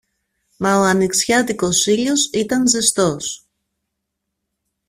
Μα ο ανοιξιάτικος ήλιος ήταν ζεστός